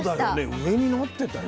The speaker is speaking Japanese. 上になってたよ。